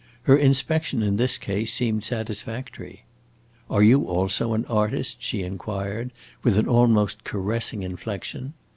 Her inspection in this case seemed satisfactory. "Are you also an artist?" she inquired with an almost caressing inflection.